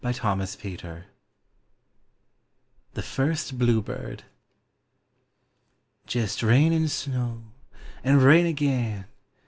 ANIMATE NATURE. THE FIRST BLUE BIRD. Jest rain and snow! and rain again!